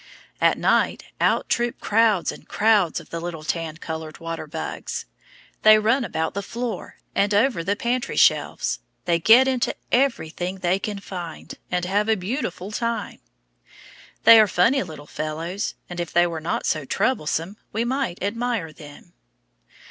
At night out troop crowds and crowds of the little tan colored water bugs. They run about the floor, and over the pantry shelves. They get into everything they can find, and have a beautiful time. They are funny little fellows, and if they were not so troublesome, we might admire them.